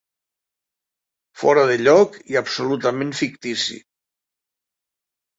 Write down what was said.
Fora de lloc i absolutament fictici.